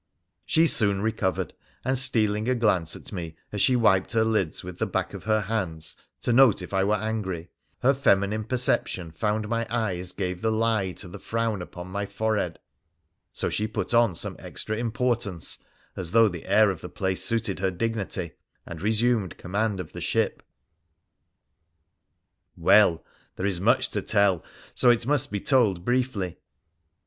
She soon recovered, and stealing a glance at me, as she wiped her lids with the back of her hands, to note if I were angry, her feminine perception found my eyes gave the lie to the frown upon my forehead, so she put on some extra import ance (as though the air of the place suited her dignity), and resumed command of the ship. Well ! There is much to tell, so it must be told briefly.